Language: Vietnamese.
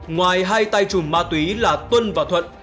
ngoài hai tay chùm ma túy là tuân và thuận